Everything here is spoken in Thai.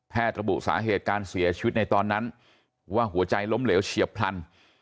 ระบุสาเหตุการเสียชีวิตในตอนนั้นว่าหัวใจล้มเหลวเฉียบพลัน